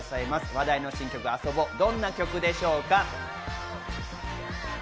話題の新曲『ＡＳＯＢＯ』、どんな曲でしょうか？